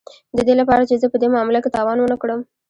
د دې لپاره چې زه په دې معامله کې تاوان ونه کړم